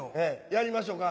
やりましょか。